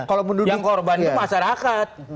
kalau yang korban itu masyarakat